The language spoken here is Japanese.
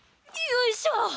よいしょ。